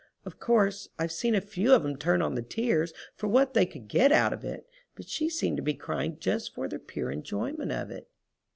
Of course, I've seen a few of 'em turn on the tears for what they could get out of it, but she seemed to be crying just for the pure enjoyment of it.